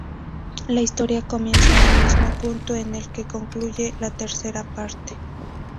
La historia comienza en el mismo punto en el que concluye la tercera parte.